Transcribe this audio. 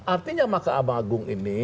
artinya mahkamah agung ini